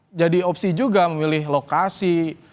itu kan jadi opsi juga memilih lokasi